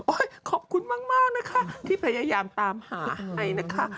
ขอบคุณมากนะคะที่พยายามตามหาให้นะคะ